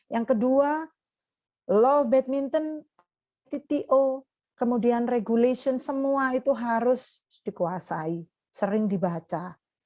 yang kedua law badminton tto kemudian regulation semua itu harus dikuasai sering dibaca